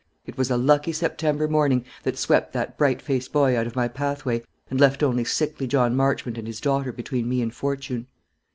It was a lucky September morning that swept that bright faced boy out of my pathway, and left only sickly John Marchmont and his daughter between me and fortune."